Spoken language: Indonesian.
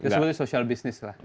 sebenarnya social business lah